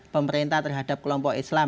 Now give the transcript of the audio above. pemerintah terhadap kelompok islam